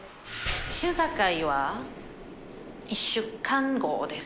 審査会は１週間後です。